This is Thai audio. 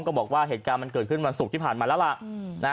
บอกว่าเหตุการณ์มันเกิดขึ้นวันศุกร์ที่ผ่านมาแล้วล่ะ